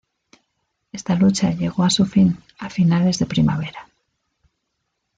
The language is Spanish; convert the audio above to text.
Esta lucha llegó a su fin a finales de primavera.